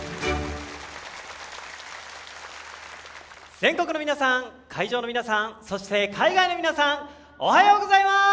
全国の皆さん会場の皆さんそして海外の皆さんおはようございます！